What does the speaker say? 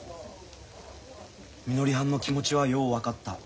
みのりはんの気持ちはよう分かった。